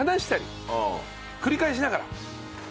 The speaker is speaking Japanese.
繰り返しながら。